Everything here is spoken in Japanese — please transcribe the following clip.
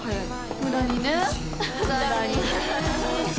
無駄にね。